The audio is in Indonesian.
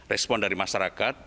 respon dari masyarakat